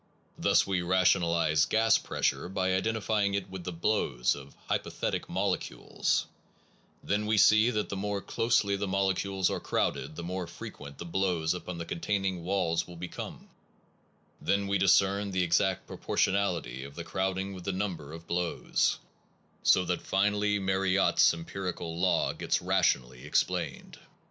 Thus we rationalize gas pressure by identifying it with the blows of hypothetic molecules; then we see that the more closely the molecules are crowded the more frequent the blows upon the containing walls will be come; then we discern the exact proportion ality of the crowding with the number of blows; so that finally Mariotte s empirical law gets rationally explained.